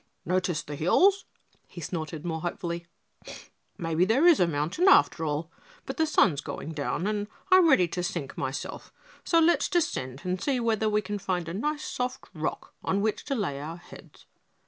"Notice the hills?" he snorted, more hopefully. "Maybe there is a mountain, after all, but the sun's going down and I'm ready to sink myself, so let's descend and see whether we can find a soft rock on which to lay our heads."